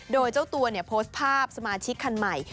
โดยเจ้าตัวโพสต์ภาพสมาชิกคันใหม่